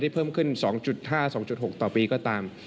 เพิ่มขึ้น๒๕๒๖ต่อปีก็ตาม